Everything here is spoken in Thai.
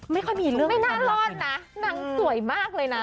ไม่ค่อยมีเรื่องไม่น่ารอดนะนางสวยมากเลยนะ